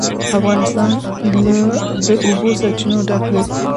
افغانستان له د اوبو سرچینې ډک دی.